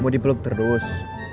mau dipeluk terus